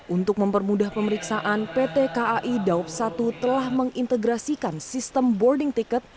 untuk mempermudah pemeriksaan pt kai daup satu telah mengintegrasikan sistem boarding ticket